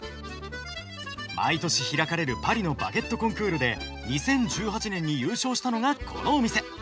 毎年開かれるパリのバゲットコンクールで２０１８年に優勝したのがこのお店。